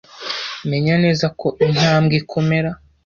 Menya neza ko intambwe ikomera.